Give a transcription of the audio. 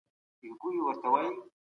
سبا به خلګ د بشري حقوقو په اړه خبري کوي.